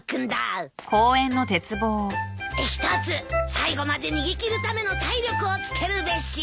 最後まで逃げ切るための体力をつけるべし。